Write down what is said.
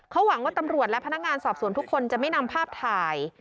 เขาหวังว่าตำรวจและพนักงานสอบสวนทุกคนจะไม่นำภาพถ่าย